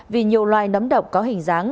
vì nhiều loài nấm độc có hình dáng